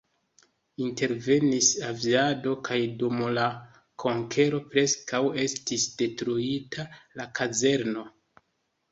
Intervenis aviado kaj dum la konkero preskaŭ estis detruita la kazerno.